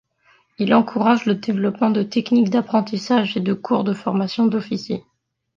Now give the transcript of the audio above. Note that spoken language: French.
Il encourage le développement de techniques d'apprentissage et des cours de formation d'officiers.